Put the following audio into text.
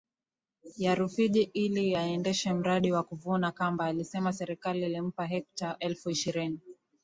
ya Rufiji ili aendeshe mradi wa kuvuna kambaAlisema Serikali ilimpa hekta elfu ishirini